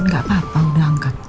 gak apa apa udah angkat